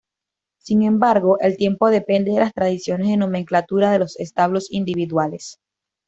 Sin embargo, el tiempo depende de las tradiciones de nomenclatura de los establos individuales.